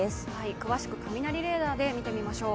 詳しく雷レーダーで見ていきましょう。